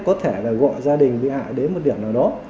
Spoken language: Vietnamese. có thể là gọi gia đình bị hại đến một điểm nào đó